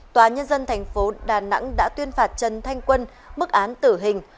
tòa nhân dân thành phố đà nẵng đã tuyên phạt trần thanh quân mức án tử hình